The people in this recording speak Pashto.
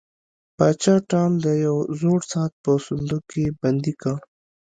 پاچا ټام د یو زوړ ساعت په صندوق کې بندي کړ.